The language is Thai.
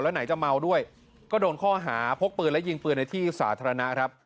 แล้วไหนจะเมาด้วยก็โดนข้อหาพกปืนและยิงปืนในที่สาธารณะครับ